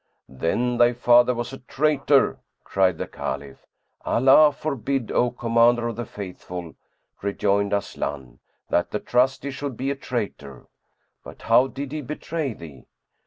"Then thy father was a traitor," cried the Caliph. "Allah forbid, O Commander of the Faithful," rejoined Aslan, "that the 'Trusty' should be a traitor! But how did he betray thee?"